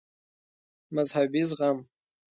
مذهبي زغم